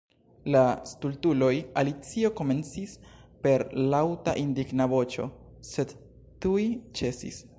"La stultuloj!" Alicio komencis per laŭta indigna voĉo, sed tuj ĉesis.